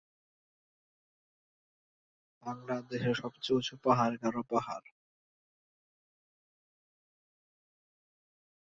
বর্তমান শিরোপাধারী দল হচ্ছে ভিক্টোরিয়া।